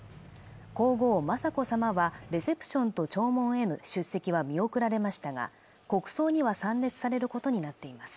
皇后雅子さまはレセプションと弔問への出席は見送られましたが国葬には参列されることになっています